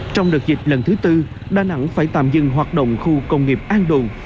trong đợt dịch lần thứ tư đà nẵng phải tạm dừng hoạt động khu công nghiệp an đồn